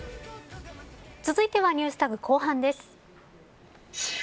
続いてはＮｅｗｓＴａｇ後半です。